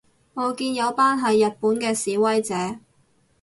我見有班喺日本嘅示威者